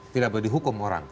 tidak boleh dihukum orang